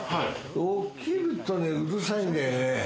起きるとね、うるさいんだよね。